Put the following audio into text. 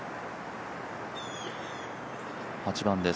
８番です。